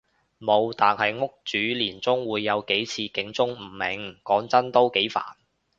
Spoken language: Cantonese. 無，但係屋主年中會有幾次警鐘誤鳴，講真都幾煩